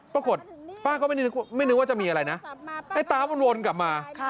ปรากฏป้าก็ไม่นึกว่าจะมีอะไรนะไอ้ตาฟมันวนกลับมา